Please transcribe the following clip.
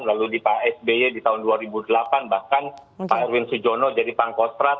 lalu di pak sby di tahun dua ribu delapan bahkan pak erwin sujono jadi pangkostrat